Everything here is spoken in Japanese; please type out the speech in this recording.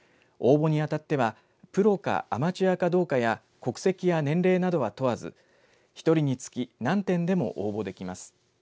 応募に当たってはプロかアマチュアかどうかや国籍や年齢などは問わず１人につき何点でも応募できます。